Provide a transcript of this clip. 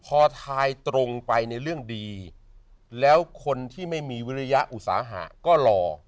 พอทายตรงไปในเรื่องดีแล้วคนที่ไม่มีวิริยะอุตสาหะก็รอ